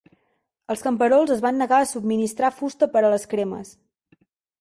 Els camperols es van negar a subministrar fusta per a les cremes.